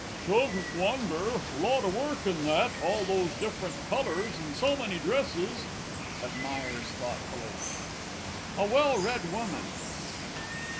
Shouldn't wonder lot o' work in that, all those different colours, and so many dresses. [Admires, thoughtfully. A WELL READ WOMAN.